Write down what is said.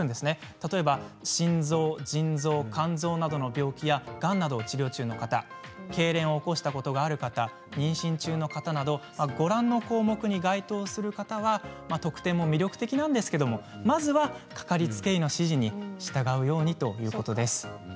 例えば、心臓、腎臓、肝臓などの病気や、がんなどの治療中の方けいれんを起こしたことがある方妊娠中の方などご覧の項目に該当する方は特典も魅力的なんですけれどもまずは掛かりつけ医の指示に従うようにということです。